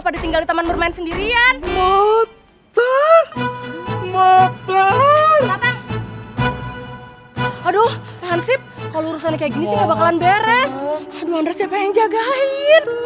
aduh andre siapa yang jagain